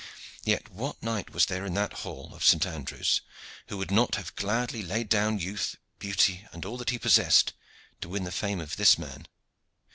Yet what knight was there in that hall of St. Andrew's who would not have gladly laid down youth, beauty, and all that he possessed to win the fame of this man?